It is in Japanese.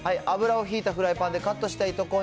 油を引いたフライパンで、カットした糸